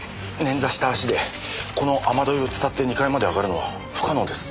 捻挫した足でこの雨樋をつたって２階まで上がるのは不可能です。